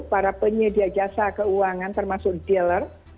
para penyedia jasa keuangan termasuk dealer